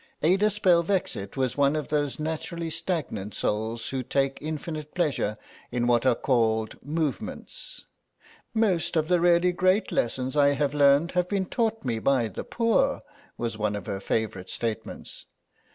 Ada Spelvexit was one of those naturally stagnant souls who take infinite pleasure in what are called "movements." "Most of the really great lessons I have learned have been taught me by the Poor," was one of her favourite statements.